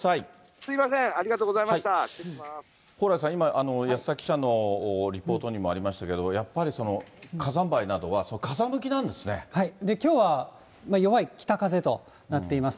すみません、ありがとうございま蓬莱さん、今、安田記者のリポートにもありましたけど、やっぱりその火山灰などは、風向きなきょうは弱い北風となっています。